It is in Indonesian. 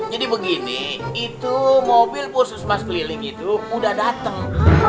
jadi begini itu mobil puskesmas keliling itu udah dateng